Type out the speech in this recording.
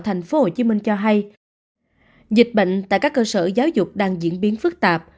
thành phố hồ chí minh cho hay dịch bệnh tại các cơ sở giáo dục đang diễn biến phức tạp